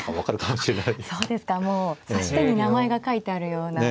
そうですかもう指し手に名前が書いてあるような。